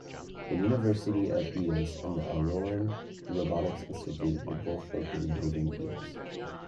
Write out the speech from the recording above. The University of Eos and the Auroran Robotics Institute were both located within Eos.